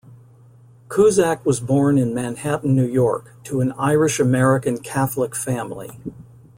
Cusack was born in Manhattan, New York, to an Irish-American Catholic family.